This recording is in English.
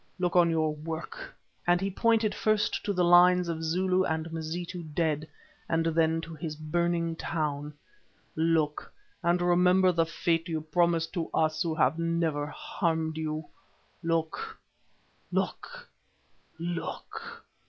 Look on your work!" and he pointed first to the lines of Zulu and Mazitu dead, and then to his burning town. "Look and remember the fate you promised to us who have never harmed you. Look! Look! Look!